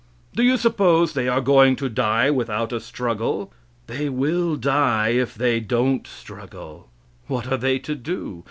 Do you suppose they are going to die without a struggle? They will die if they don't struggle. What are they to do?